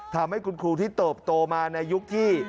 ทำให้คุณครูที่เติบโตมาในยุคที่